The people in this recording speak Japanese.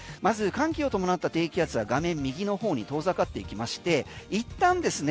まず低気圧は画面右の方に遠ざかっていきましていったんですね